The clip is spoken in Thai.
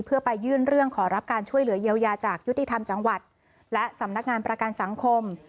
เพื่อไปยื่นเรื่องขอรับการช่วยเหลือเยียวยาจากยุติธรรมจังหวัดและสำนักงานประกันสังคม